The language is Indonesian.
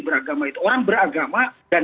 beragama itu orang beragama dan